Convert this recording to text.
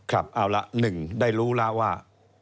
อเจมส์ครับเอาล่ะหนึ่งได้รู้ล่ะว่า